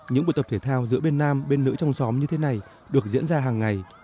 những buổi tập thể thao giữa bên nam bên nữ trong xóm như thế này được diễn ra hàng ngày